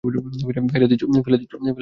ফেলে দিচ্ছ কেন?